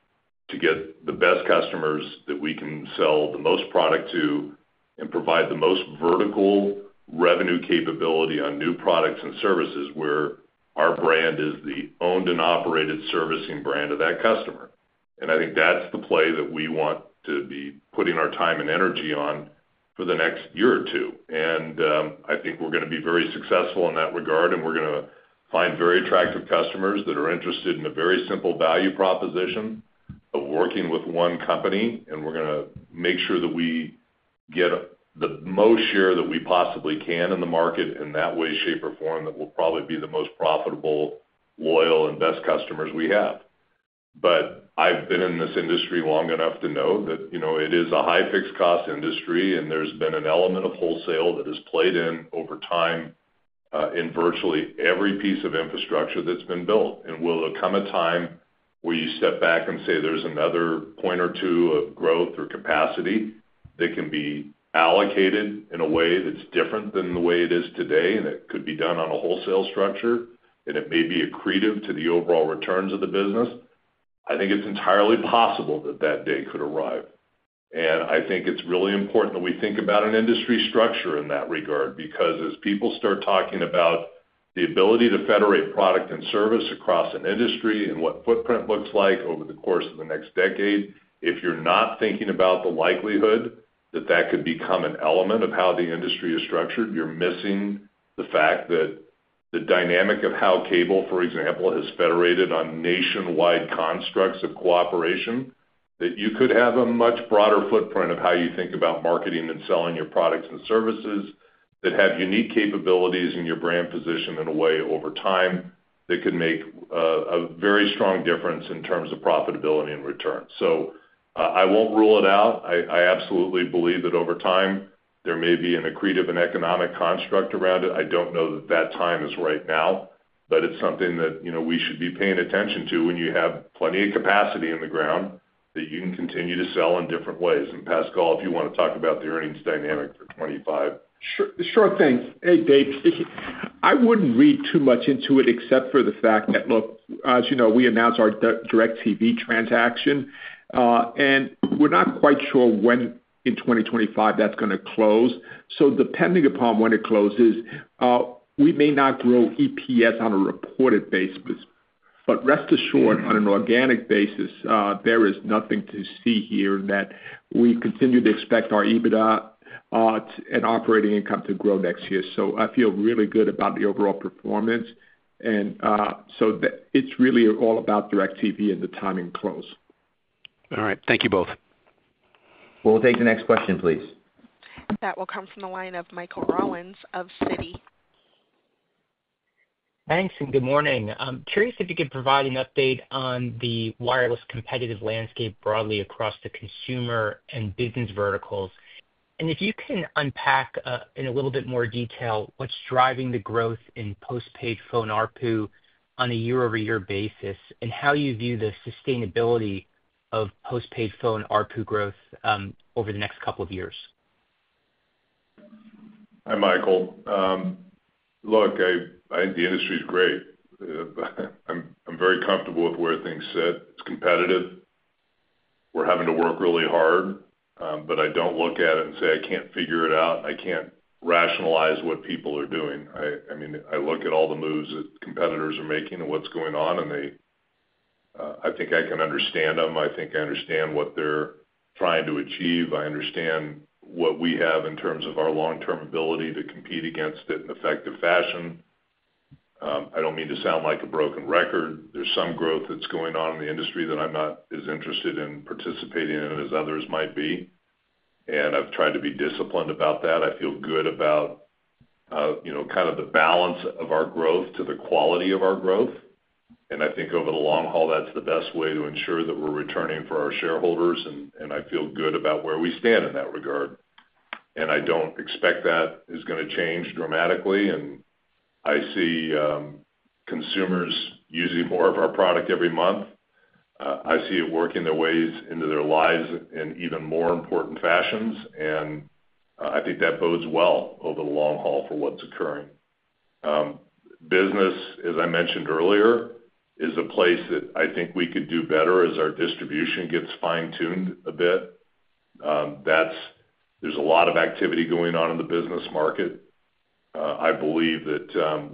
Speaker 3: to get the best customers that we can sell the most product to and provide the most vertical revenue capability on new products and services, where our brand is the owned and operated servicing brand of that customer. And I think that's the play that we want to be putting our time and energy on for the next year or two. And, I think we're gonna be very successful in that regard, and we're gonna find very attractive customers that are interested in a very simple value proposition of working with one company. And we're gonna make sure that we get the most share that we possibly can in the market, in that way, shape, or form, that will probably be the most profitable, loyal, and best customers we have. But I've been in this industry long enough to know that, you know, it is a high-fixed cost industry, and there's been an element of wholesale that has played in over time, in virtually every piece of infrastructure that's been built. Will there come a time where you step back and say, there's another point or two of growth or capacity that can be allocated in a way that's different than the way it is today, and it could be done on a wholesale structure, and it may be accretive to the overall returns of the business? I think it's entirely possible that that day could arrive. I think it's really important that we think about an industry structure in that regard, because as people start talking about the ability to federate product and service across an industry and what footprint looks like over the course of the next decade, if you're not thinking about the likelihood that that could become an element of how the industry is structured, you're missing the fact that the dynamic of how cable, for example, has federated on nationwide constructs of cooperation, that you could have a much broader footprint of how you think about marketing and selling your products and services, that have unique capabilities in your brand position in a way over time, that could make a very strong difference in terms of profitability and return. So, I won't rule it out. I absolutely believe that over time, there may be an accretive and economic construct around it. I don't know that that time is right now, but it's something that, you know, we should be paying attention to when you have plenty of capacity in the ground, that you can continue to sell in different ways. And Pascal, if you wanna talk about the earnings dynamic for 2025.
Speaker 4: Sure, sure thing. Hey, David, I wouldn't read too much into it, except for the fact that, look, as you know, we announced our DIRECTV transaction, and we're not quite sure when in twenty twenty-five that's gonna close. So depending upon when it closes, we may not grow EPS on a reported basis, but rest assured, on an organic basis, there is nothing to see here, that we continue to expect our EBITDA and operating income to grow next year. So I feel really good about the overall performance, and it's really all about DIRECTV and the timing close.
Speaker 8: All right. Thank you both.
Speaker 1: We'll take the next question, please. That will come from the line of Michael Rollins of Citi.
Speaker 9: Thanks, and good morning. I'm curious if you could provide an update on the wireless competitive landscape broadly across the consumer and business verticals, and if you can unpack, in a little bit more detail, what's driving the growth in postpaid phone ARPU on a year-over-year basis, and how you view the sustainability of postpaid phone ARPU growth, over the next couple of years?
Speaker 3: Hi, Michael. Look, I, the industry is great. I'm very comfortable with where things sit. It's competitive. We're having to work really hard, but I don't look at it and say, I can't figure it out, I can't rationalize what people are doing. I mean, I look at all the moves that competitors are making and what's going on, and they... I think I can understand them. I think I understand what they're trying to achieve. I understand what we have in terms of our long-term ability to compete against it in effective fashion. I don't mean to sound like a broken record. There's some growth that's going on in the industry that I'm not as interested in participating in as others might be, and I've tried to be disciplined about that. I feel good about, you know, kind of the balance of our growth to the quality of our growth. And I think over the long haul, that's the best way to ensure that we're returning for our shareholders, and I feel good about where we stand in that regard. And I don't expect that is gonna change dramatically, and I see, consumers using more of our product every month. I see it working their ways into their lives in even more important fashions, and I think that bodes well over the long haul for what's occurring. Business, as I mentioned earlier, is a place that I think we could do better as our distribution gets fine-tuned a bit. There's a lot of activity going on in the business market. I believe that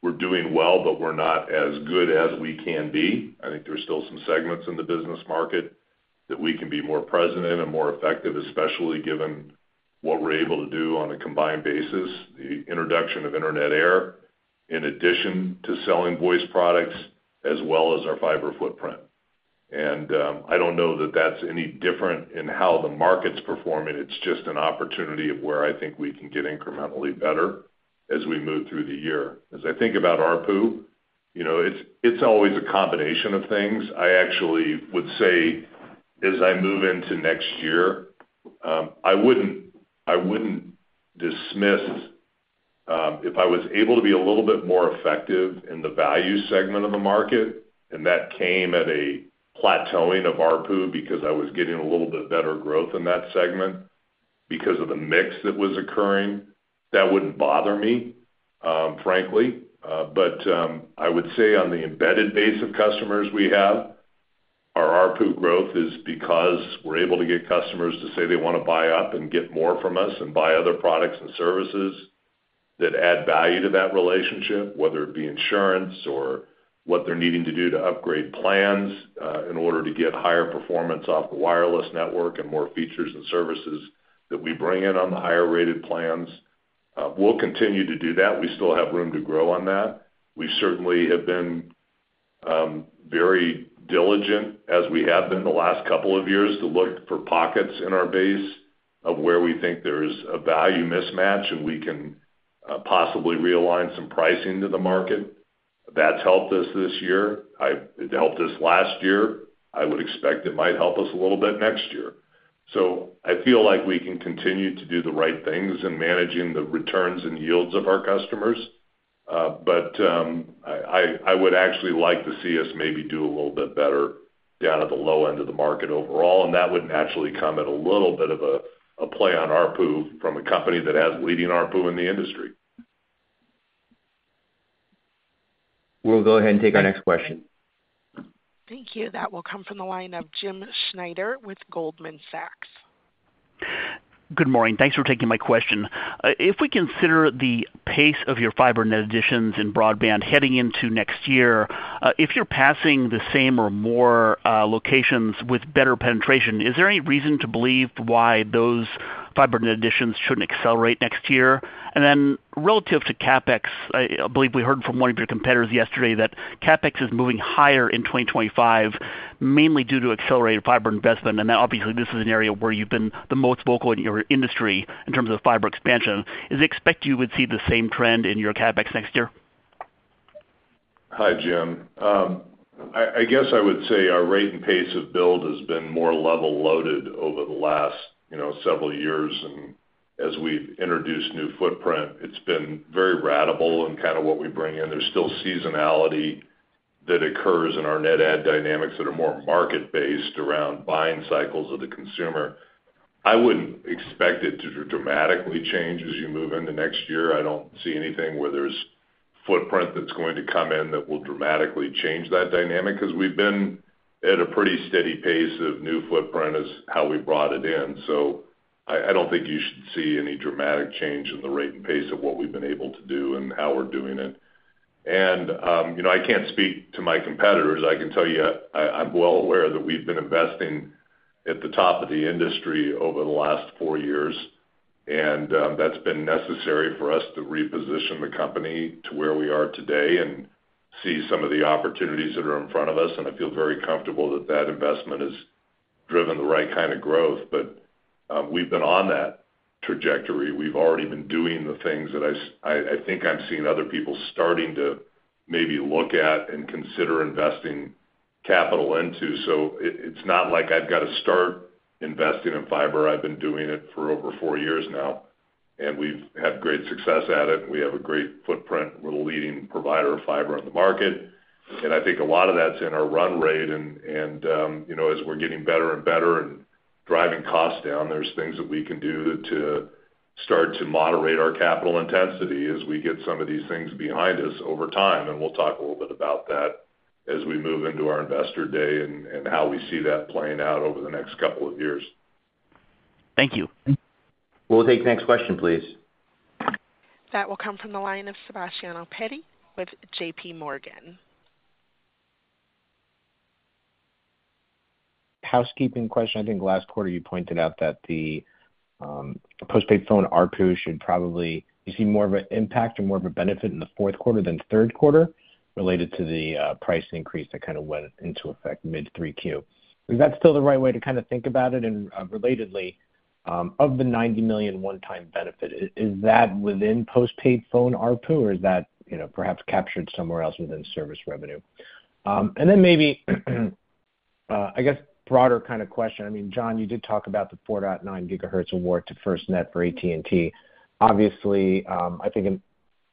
Speaker 3: we're doing well, but we're not as good as we can be. I think there's still some segments in the business market that we can be more present in and more effective, especially given what we're able to do on a combined basis, the introduction of Internet Air, in addition to selling voice products, as well as our fiber footprint, and I don't know that that's any different in how the market's performing. It's just an opportunity of where I think we can get incrementally better as we move through the year. As I think about ARPU, you know, it's always a combination of things. I actually would say, as I move into next year, I wouldn't dismiss. If I was able to be a little bit more effective in the value segment of the market, and that came at a plateauing of ARPU because I was getting a little bit better growth in that segment because of the mix that was occurring, that wouldn't bother me, frankly. But, I would say on the embedded base of customers we have, our ARPU growth is because we're able to get customers to say they wanna buy up and get more from us and buy other products and services that add value to that relationship, whether it be insurance or what they're needing to do to upgrade plans, in order to get higher performance off the wireless network and more features and services that we bring in on the higher-rated plans. We'll continue to do that. We still have room to grow on that. We certainly have been very diligent, as we have been the last couple of years, to look for pockets in our base of where we think there's a value mismatch, and we can possibly realign some pricing to the market. That's helped us this year. It helped us last year. I would expect it might help us a little bit next year, so I feel like we can continue to do the right things in managing the returns and yields of our customers, but I would actually like to see us maybe do a little bit better down at the low end of the market overall, and that would naturally come at a little bit of a play on ARPU from a company that has leading ARPU in the industry.
Speaker 2: We'll go ahead and take our next question.
Speaker 1: Thank you. That will come from the line of Jim Schneider with Goldman Sachs.
Speaker 10: Good morning. Thanks for taking my question. If we consider the pace of your fiber net additions in broadband heading into next year, if you're passing the same or more locations with better penetration, is there any reason to believe why those fiber net additions shouldn't accelerate next year? And then relative to CapEx, I, I believe we heard from one of your competitors yesterday that CapEx is moving higher in 2025, mainly due to accelerated fiber investment, and obviously, this is an area where you've been the most vocal in your industry in terms of fiber expansion. Do you expect you would see the same trend in your CapEx next year?
Speaker 3: Hi, James. I guess I would say our rate and pace of build has been more level-loaded over the last, you know, several years, and as we've introduced new footprint, it's been very ratable in kinda what we bring in. There's still seasonality that occurs in our net add dynamics that are more market-based around buying cycles of the consumer. I wouldn't expect it to dramatically change as you move into next year. I don't see anything where there's footprint that's going to come in that will dramatically change that dynamic, 'cause we've been at a pretty steady pace of new footprint as how we brought it in, so I don't think you should see any dramatic change in the rate and pace of what we've been able to do and how we're doing it, and you know, I can't speak to my competitors. I can tell you, I, I'm well aware that we've been investing at the top of the industry over the last four years, and that's been necessary for us to reposition the company to where we are today and see some of the opportunities that are in front of us, and I feel very comfortable that that investment has driven the right kind of growth. But we've been on that trajectory. We've already been doing the things that I think I'm seeing other people starting to maybe look at and consider investing capital into. So it's not like I've got to start investing in fiber. I've been doing it for over four years now, and we've had great success at it. We have a great footprint. We're a leading provider of fiber on the market, and I think a lot of that's in our run rate, and you know, as we're getting better and better and driving costs down, there's things that we can do to start to moderate our capital intensity as we get some of these things behind us over time, and we'll talk a little bit about that as we move into our Investor Day and how we see that playing out over the next couple of years.
Speaker 10: Thank you.
Speaker 2: We'll take the next question, please.
Speaker 1: That will come from the line of Sebastiano Petti with JPMorgan.
Speaker 11: Housekeeping question. I think last quarter, you pointed out that the postpaid phone ARPU should probably see more of an impact or more of a benefit in the fourth quarter than the third quarter related to the price increase that kind of went into effect mid-3Q. Is that still the right way to kind of think about it? And relatedly, of the ninety million one-time benefit, is that within postpaid phone ARPU, or is that, you know, perhaps captured somewhere else within service revenue? And then maybe, I guess broader kind of question. I mean, John, you did talk about the 4.9 GHz award to FirstNet for AT&T. Obviously, I think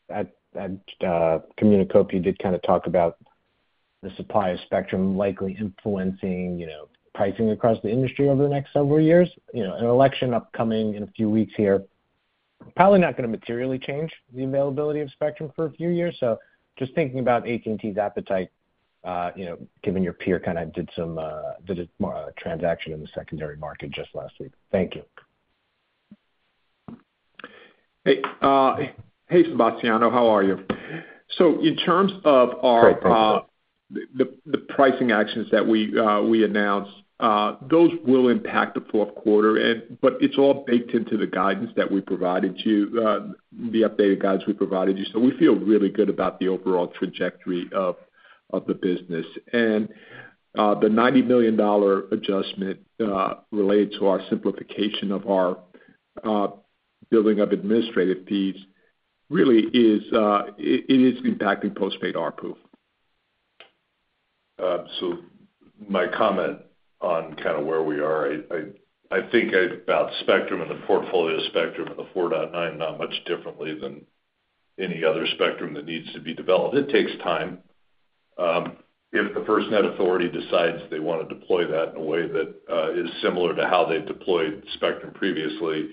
Speaker 11: at Communacopia, you did kind of talk about the supply of spectrum likely influencing, you know, pricing across the industry over the next several years. You know, an election upcoming in a few weeks here, probably not going to materially change the availability of spectrum for a few years. So just thinking about AT&T's appetite, you know, given your peer kind of did a more transaction in the secondary market just last week. Thank you.
Speaker 4: Hey, hey, Sebastiano, how are you? So in terms of our-
Speaker 11: Great, thank you.
Speaker 4: The pricing actions that we announced, those will impact the fourth quarter, and but it's all baked into the guidance that we provided to you, the updated guidance we provided you. So we feel really good about the overall trajectory of the business. And, the $90 million adjustment, related to our simplification of our building of administrative fees, really is, it is impacting postpaid ARPU.
Speaker 3: So my comment on kind of where we are, I think about spectrum and the portfolio spectrum and the 4.9 not much differently than any other spectrum that needs to be developed. It takes time. If the FirstNet Authority decides they want to deploy that in a way that is similar to how they deployed spectrum previously,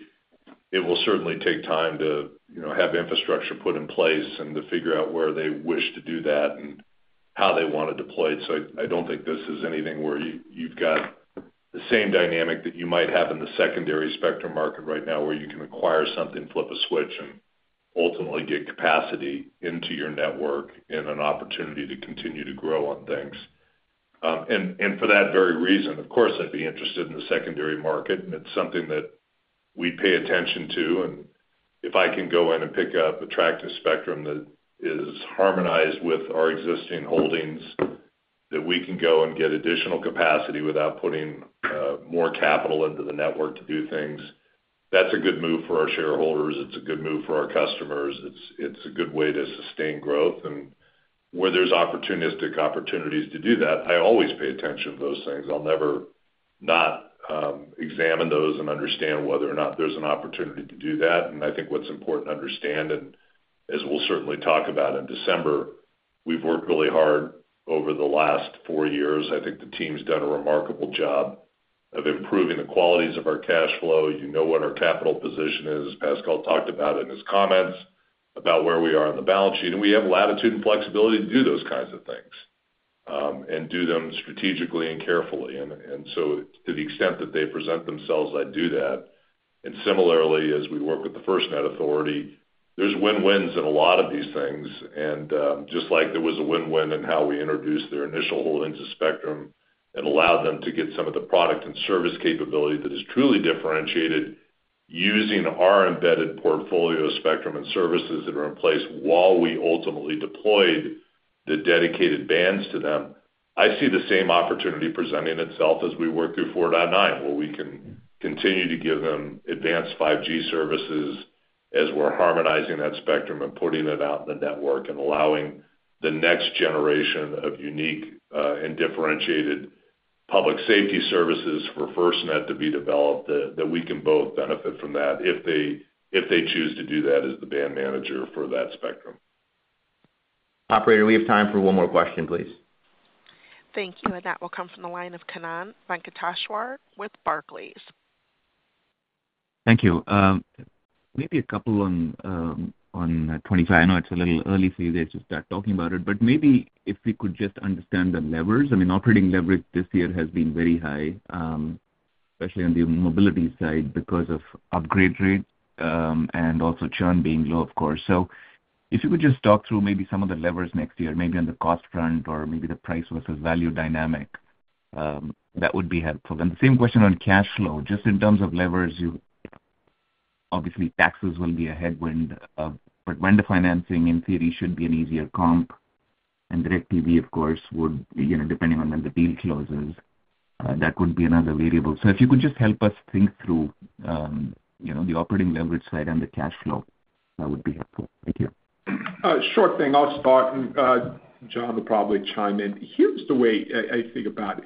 Speaker 3: it will certainly take time to, you know, have infrastructure put in place and to figure out where they wish to do that and how they want to deploy it. So I don't think this is anything where you've got the same dynamic that you might have in the secondary spectrum market right now, where you can acquire something, flip a switch, and ultimately get capacity into your network and an opportunity to continue to grow on things. And for that very reason, of course, I'd be interested in the secondary market, and it's something that we pay attention to. And if I can go in and pick up attractive spectrum that is harmonized with our existing holdings, that we can go and get additional capacity without putting more capital into the network to do things, that's a good move for our shareholders. It's a good move for our customers. It's a good way to sustain growth. And where there's opportunistic opportunities to do that, I always pay attention to those things. I'll never not examine those and understand whether or not there's an opportunity to do that. And I think what's important to understand, and as we'll certainly talk about in December, we've worked really hard over the last four years. I think the team's done a remarkable job of improving the qualities of our cash flow. You know what our capital position is, as Pascal talked about in his comments, about where we are on the balance sheet, and we have latitude and flexibility to do those kinds of things, and do them strategically and carefully. And so to the extent that they present themselves, I'd do that. And similarly, as we work with the FirstNet Authority, there's win-wins in a lot of these things, and just like there was a win-win in how we introduced their initial holdings of spectrum and allowed them to get some of the product and service capability that is truly differentiated, using our embedded portfolio of spectrum and services that are in place while we ultimately deployed the dedicated bands to them. I see the same opportunity presenting itself as we work through 4.9, where we can continue to give them advanced 5G services as we're harmonizing that spectrum and putting it out in the network and allowing the next generation of unique and differentiated public safety services for FirstNet to be developed, that we can both benefit from that, if they choose to do that as the band manager for that spectrum.
Speaker 2: Operator, we have time for one more question, please.
Speaker 1: Thank you, and that will come from the line of Kannan Venkateshwar with Barclays.
Speaker 12: Thank you. Maybe a couple on, on twenty-five. I know it's a little early for you guys to start talking about it, but maybe if we could just understand the levers. I mean, operating leverage this year has been very high, especially on the mobility side, because of upgrade rates, and also churn being low, of course. So if you could just talk through maybe some of the levers next year, maybe on the cost front or maybe the price versus value dynamic, that would be helpful. Then the same question on cash flow, just in terms of levers, you obviously, taxes will be a headwind, but when the financing in theory should be an easier comp, and DIRECTV, of course, would, you know, depending on when the deal closes, that would be another variable. So if you could just help us think through, you know, the operating leverage side and the cash flow, that would be helpful. Thank you.
Speaker 3: Sure thing. I'll start, and John will probably chime in. Here's the way I think about it: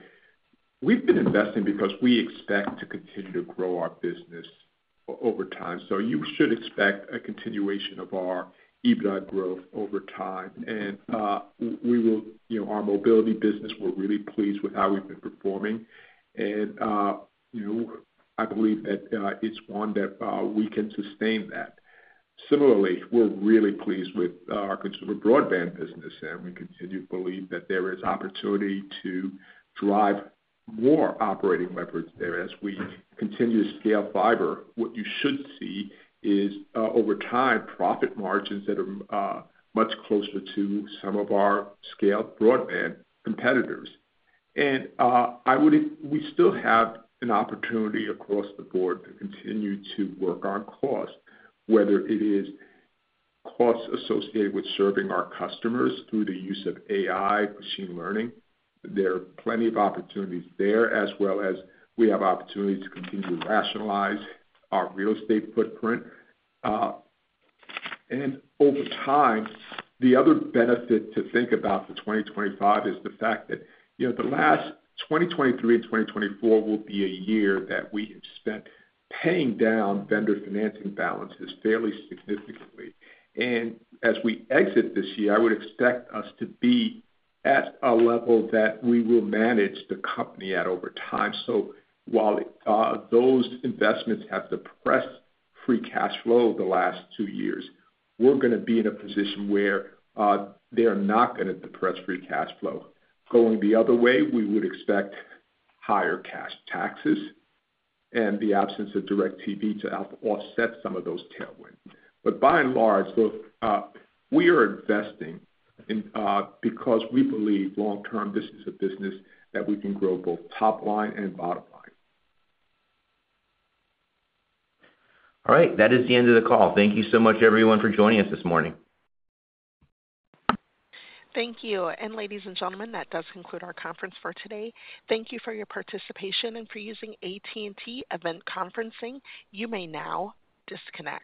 Speaker 3: We've been investing because we expect to continue to grow our business over time. So you should expect a continuation of our EBITDA growth over time. We will... You know, our mobility business, we're really pleased with how we've been performing, and you know, I believe that it's one that we can sustain that. Similarly, we're really pleased with our consumer broadband business, and we continue to believe that there is opportunity to drive more operating leverage there as we continue to scale fiber. What you should see is over time, profit margins that are much closer to some of our scaled broadband competitors. We still have an opportunity across the board to continue to work on cost, whether it is costs associated with serving our customers through the use of AI, machine learning. There are plenty of opportunities there, as well as we have opportunities to continue to rationalize our real estate footprint. Over time, the other benefit to think about for 2025 is the fact that, you know, the last 2023 and 2024 will be a year that we have spent paying down vendor financing balances fairly significantly. As we exit this year, I would expect us to be at a level that we will manage the company at over time. So while those investments have suppressed free cash flow the last two years, we're going to be in a position where they are not going to depress free cash flow. Going the other way, we would expect higher cash taxes and the absence of DIRECTV to help offset some of those tailwinds. But by and large, look, we are investing in because we believe long-term, this is a business that we can grow both top line and bottom line.
Speaker 2: All right. That is the end of the call. Thank you so much, everyone, for joining us this morning.
Speaker 1: Thank you, and ladies and gentlemen, that does conclude our conference for today. Thank you for your participation and for using AT&T Event Conferencing. You may now disconnect.